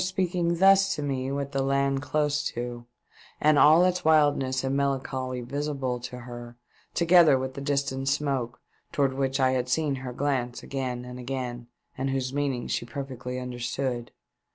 speaking thus to me with the land close to and all its wildness and melancholy visible to her, toeether with the distant smoke, towards which I had seen her glance again and again, and whose meaning she perfectly understood.